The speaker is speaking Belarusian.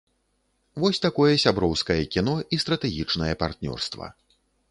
Вось такое сяброўскае кіно і стратэгічнае партнёрства.